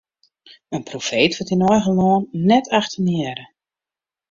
In profeet wurdt yn eigen lân net achtenearre.